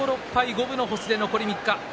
五分の星で残り３日。